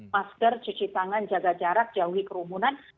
masker cuci tangan jaga jarak jauhi kerumunan